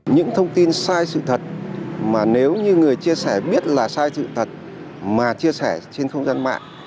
những thông tin sai sự thật mà nếu như người chia sẻ biết là sai sự thật mà chia sẻ trên không gian mạng